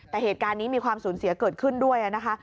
แต่เหตุการณ์นี้มีความสูญเสียเกิดขึ้นด้วยนะคะ